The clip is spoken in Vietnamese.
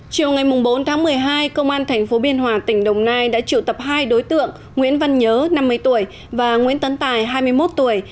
chiều ngày bốn tháng một mươi hai công an tp biên hòa tỉnh đồng nai đã triệu tập hai đối tượng nguyễn văn nhớ năm mươi tuổi và nguyễn tấn tài hai mươi một tuổi